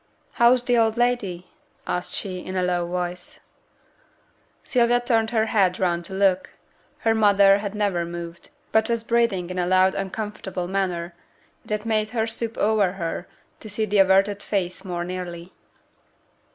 'How is t' old lady?' asked she, in a low voice. Sylvia turned her head round to look; her mother had never moved, but was breathing in a loud uncomfortable manner, that made her stoop over her to see the averted face more nearly.